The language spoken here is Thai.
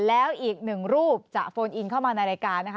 แล้วอีกหนึ่งรูปจะโฟนอินเข้ามาในรายการนะคะ